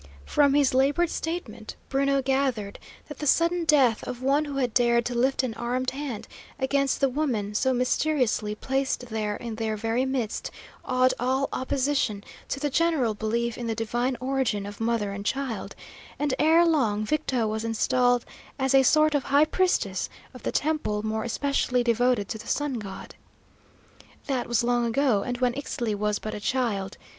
From his laboured statement, Bruno gathered that the sudden death of one who had dared to lift an armed hand against the woman so mysteriously placed there in their very midst awed all opposition to the general belief in the divine origin of mother and child; and ere long Victo was installed as a sort of high priestess of the temple more especially devoted to the Sun God. That was long ago, and when Ixtli was but a child.